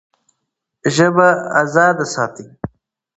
ژبه ازادي ساتي.